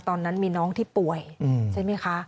ตอนนั้นมีน้องที่ป่วยใช่ไหมคะ